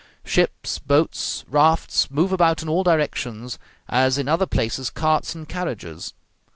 Ships, boats, rafts, move about in all directions, as in other places carts and carriages.